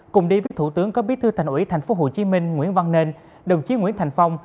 cùng đi với thủ tướng có biết thư thành ủy thành phố hồ chí minh nguyễn văn nên đồng chí nguyễn thành phong